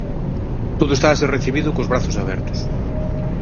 Todo está a ser recibido cos brazos abertos.